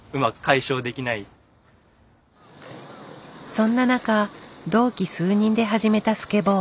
そんな中同期数人で始めたスケボー。